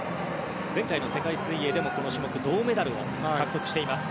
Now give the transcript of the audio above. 前回の世界水泳でもこの種目、銅メダルを獲得しています。